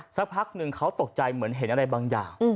สักพักหนึ่งเขาตกใจเหมือนเห็นอะไรบางอย่าง